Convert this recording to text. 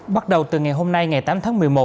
bắt đầu từ ngày hôm nay ngày tám tháng một mươi một